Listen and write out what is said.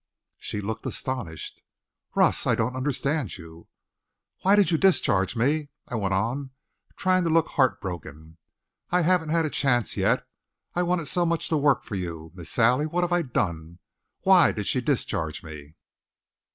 She looked astonished. "Russ, I don't understand you." "Why did you discharge me?" I went on, trying to look heart broken. "I haven't had a chance yet. I wanted so much to work for you Miss Sally, what have I done? Why did she discharge me?"